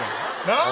なあ。